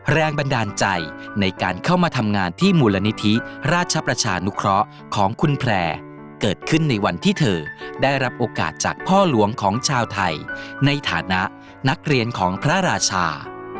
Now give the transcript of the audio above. แรงบันดาลใจในการเข้ามาทำงานที่มูลนิธิราชประชานุเคราะห์ของคุณแพร่เกิดขึ้นในวันที่เธอได้รับโอกาสจากพ่อหลวงของชาวไทยในฐานะนักเรียนของพระราชา